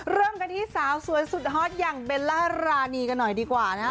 เริ่มกันที่สาวสวยสุดฮอตอย่างเบลล่ารานีกันหน่อยดีกว่านะฮะ